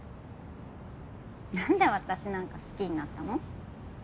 なんで私なんか好きになったの？